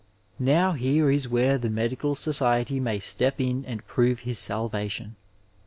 Now here is where the medical society may step in and prove his salvation.